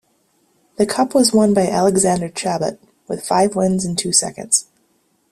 The Cup was won by Alexandre Chabot, with five wins and two seconds.